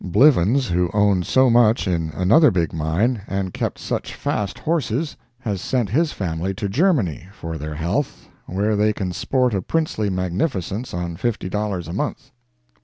Blivens, who owned so much in another big mine, and kept such fast horses, has sent his family to Germany, for their health, where they can sport a princely magnificence on fifty dollars a month.